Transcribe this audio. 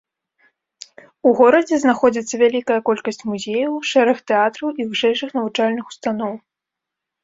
У горадзе знаходзіцца вялікая колькасць музеяў, шэраг тэатраў і вышэйшых навучальных устаноў.